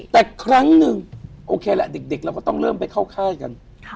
แต่ครั้งหนึ่งโอเคแหละเด็กเราก็ต้องเริ่มไปเข้าค่ายกัน